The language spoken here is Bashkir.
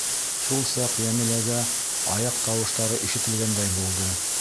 Шул саҡ Йәмиләгә аяҡ тауыштары ишетелгәндәй булды.